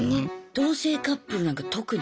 同棲カップルなんか特に。